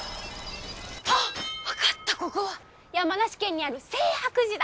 あっわかったここは山梨県にある清白寺だ。